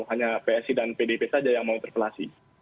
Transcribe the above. hanya psi dan pdp saja yang mau interpelasi